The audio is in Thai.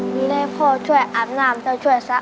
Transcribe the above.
นี่แหละพอช่วยอาบน้ำเธอช่วยซะ